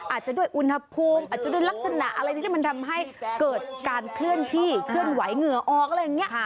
อาจจะด้วยอุณหภูมิอาจจะด้วยลักษณะอะไรที่มันทำให้เกิดการเคลื่อนที่เคลื่อนไหวเหงื่อออกอะไรอย่างนี้